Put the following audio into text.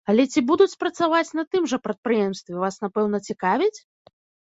Але ці буду працаваць на тым жа прадпрыемстве, вас напэўна цікавіць?